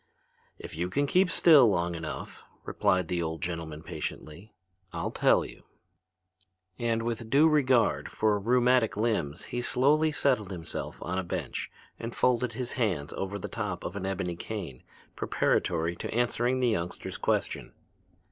"If you can keep still long enough," replied the old gentleman patiently, "I'll tell you." And with due regard for rheumatic limbs he slowly settled himself on a bench and folded his hands over the top of an ebony cane preparatory to answering the youngster's question.